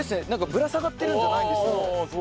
ぶら下がってるんじゃないんですね。